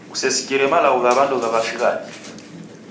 Kusesikire malagho gha w'andu wa shighadi